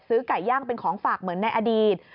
ไก่ย่างเป็นของฝากเหมือนในอดีต